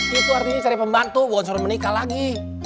itu artinya cari pembantu gue mau suruh menikah lagi